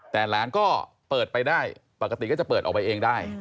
แต่หลานก็เปิดไปได้ปกติก็จะเปิดออกไปเองได้